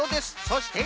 そして。